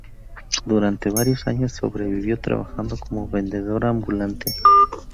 Durante varios años sobrevivió trabajando como vendedora ambulante.